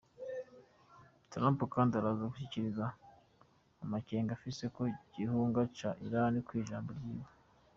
Trump kandi araza gushikiriza amakenga afise ku gihugu ca Iran mw'ijambo ryiwe.